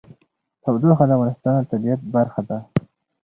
تودوخه د افغانستان د طبیعت برخه ده.